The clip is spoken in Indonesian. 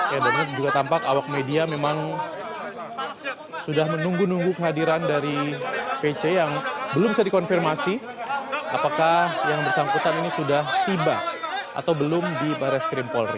ya dan juga tampak awak media memang sudah menunggu nunggu kehadiran dari pc yang belum bisa dikonfirmasi apakah yang bersangkutan ini sudah tiba atau belum di baris krim polri